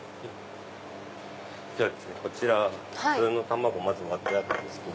こちら普通の卵割ってあるんですけど。